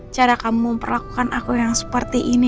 cara kamu memperlakukan aku yang seperti ini